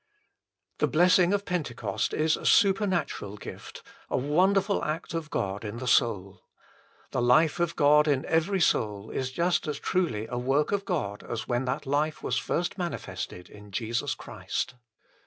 The blessing of Pentecost is a supernatural gift, a wonderful act of God in the soul. The life of God in every soul is just as truly a work of God as when that life was first manifested in Jesus Christ.